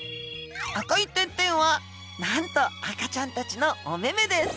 赤い点々はなんと赤ちゃんたちのおめめです。